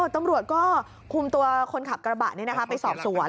ตำรวจก็คุมตัวคนขับกระบะนี้ไปสอบสวน